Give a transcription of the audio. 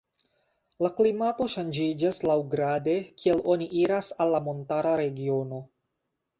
La klimato ŝanĝiĝas laŭgrade kiel oni iras al la montara regiono.